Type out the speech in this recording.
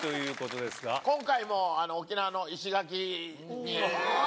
今回も沖縄の石垣に。